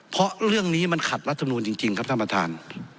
เพราะเรื่องนี้มันขัดรัฐมนูลจริงครับท่านประธาน